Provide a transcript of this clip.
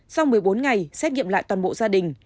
sau một mươi bốn ngày xét nghiệm lại toàn bộ gia đình